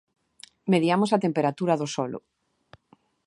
Mediamos a temperatura do solo.